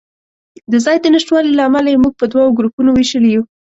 د ځای د نشتوالي له امله یې موږ په دوو ګروپونو وېشلي یو.